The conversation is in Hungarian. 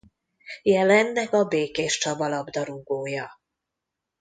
Jelenleg a Békéscsaba labdarúgója.